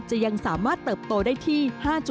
ยังสามารถเติบโตได้ที่๕๗